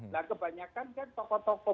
nah kebanyakan kan toko toko